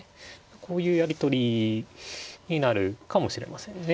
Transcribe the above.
こういうやり取りになるかもしれませんね。